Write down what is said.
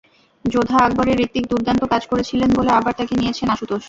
যোধা আকবর-এ হৃতিক দুর্দান্ত কাজ করেছিলেন বলে আবার তাঁকে নিয়েছেন আশুতোষ।